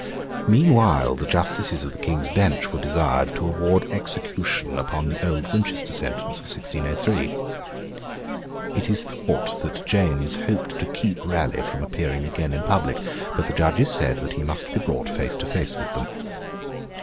Meanwhile the Justices of the King's Bench were desired to award execution upon the old Winchester sentence of 1603. It is thought that James hoped to keep Raleigh from appearing again in public, but the judges said that he must be brought face to face with them.